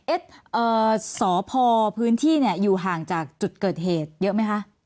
สพพื้นที่เนี่ยอยู่ห่างจากจุดเกิดเหตุเยอะไหมคะ